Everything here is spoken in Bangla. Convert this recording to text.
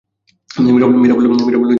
মীরা বললেন, কী, মিথ্যা বললাম?